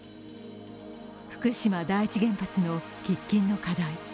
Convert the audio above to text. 福島第一原発の喫緊の課題。